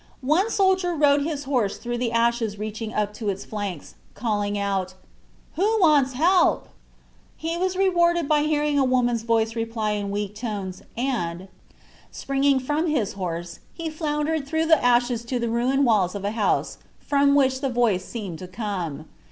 One soldier rode his horse through the ashes reaching up to its flanks, calling out, "Who wants help?" He was rewarded by hearing a woman's voice reply in weak tones and, springing from his horse, he floundered through the ashes to the ruined walls of a house from which the voice seemed to come.